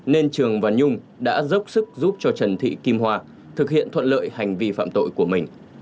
nên trường và nhung đã dốc sức giúp cho trần thị kim hoa thực hiện thuận lợi hành vi phạm tội của mình